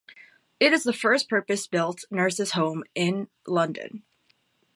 It is the first purpose built nurses' home in London.